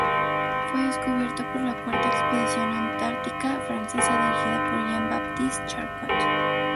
Fue descubierto por la Cuarta Expedición Antártica Francesa, dirigida por Jean-Baptiste Charcot.